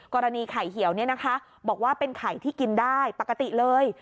กรณีไข่เหี่ยวบอกว่าเป็นไข่ที่กินได้ปกติเลย